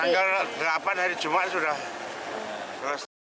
tanggal delapan hari jumat sudah selesai